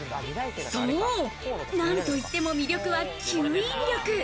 そう、なんといっても魅力は吸引力。